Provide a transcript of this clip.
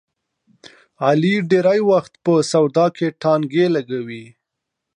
علي ډېری وخت په سودا کې ټانګې لګوي.